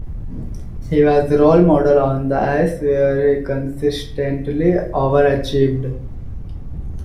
He was a role model on the ice where he consistently overachieved.